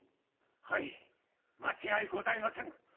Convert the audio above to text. はい間違いございませぬ！